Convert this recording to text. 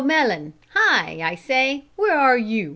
Mellon, hi! I say! where are you?"